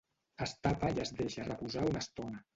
Es tapa i es deixa reposar una estona